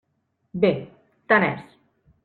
Bé, tant és.